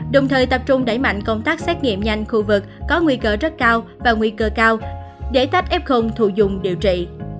đồng thời tập trung đẩy mạnh công tác xét nghiệm nhanh khu vực có nguy cơ rất cao và nguy cơ cao để tách f thù dùng điều trị